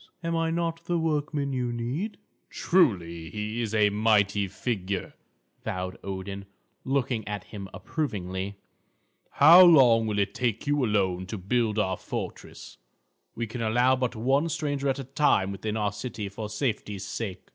Am I not the workman you need?" "Truly, he is a mighty figure," vowed Odin, looking at him approvingly. "How long will it take you alone to build our fortress? We can allow but one stranger at a time within our city, for safety's sake."